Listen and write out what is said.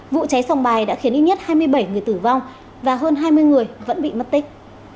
vụ cháy sòng bài đã khiến ít nhất hai mươi bảy người tử vong và hơn hai mươi người vẫn bị mất tích